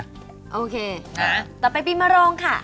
โอเคต่อไปปีมโรงค่ะ